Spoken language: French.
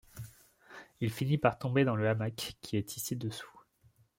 Il finit par tomber dans le hamac qui est tissé dessous.